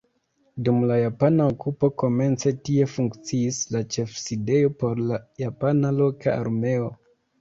Dum la japana okupo komence tie funkciis la ĉefsidejo por la japana loka armeo.